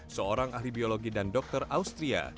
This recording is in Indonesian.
seorang ahli biologi dan dokter austria